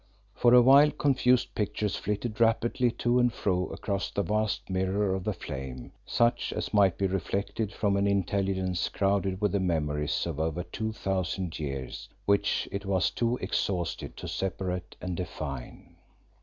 For a while confused pictures flitted rapidly to and fro across the vast mirror of the flame, such as might be reflected from an intelligence crowded with the memories of over two thousand years which it was too exhausted to separate and define.